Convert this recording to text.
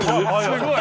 すごい！